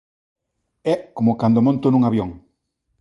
É como cando monto nun avión.